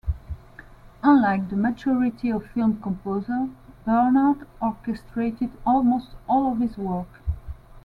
Unlike the majority of film composers, Bernard orchestrated almost all of his work.